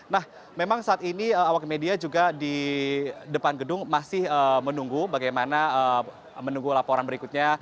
nah memang saat ini awak media juga di depan gedung masih menunggu bagaimana menunggu laporan berikutnya